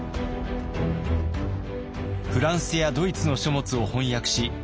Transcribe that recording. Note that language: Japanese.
フランスやドイツの書物を翻訳し編集し直した